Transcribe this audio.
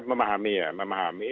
memahami ya memahami